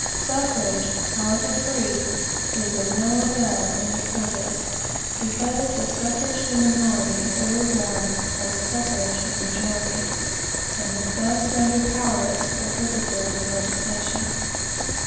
Suffrage, however free, is of no avail for this purpose; because the suffrage of the minority is overborne by the suffrage of the majority, and is thus rendered powerless for purposes of legislation.